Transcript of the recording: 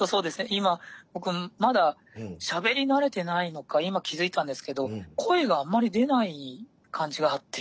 今僕まだしゃべりなれてないのか今気付いたんですけど声があんまり出ない感じがあって。